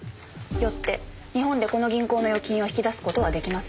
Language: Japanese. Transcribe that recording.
よって日本でこの銀行の預金を引き出す事は出来ません。